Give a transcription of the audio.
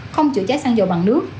không chữa cháy xăng dầu bằng nước